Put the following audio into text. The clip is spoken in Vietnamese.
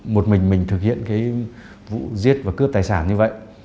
một mình mình thực hiện cái vụ giết và cướp tài sản như vậy